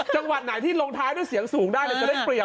จังหวัดไหนที่ลงท้ายด้วยเสียงสูงได้จะได้เปรียบ